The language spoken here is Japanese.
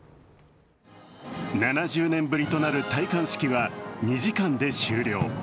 ７０年ぶりとなる戴冠式は２時間で終了。